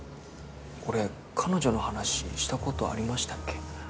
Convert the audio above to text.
俺彼女の話したことありましたっけ？